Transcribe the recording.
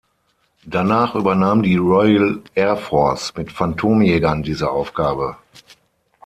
Danach übernahm die Royal Air Force mit Phantom-Jägern diese Aufgabe.